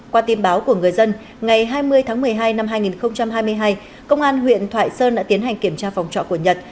qua tin báo của người dân ngày hai mươi tháng một mươi hai năm hai nghìn hai mươi hai công an huyện thoại sơn đã tiến hành kiểm tra phòng trọ của nhật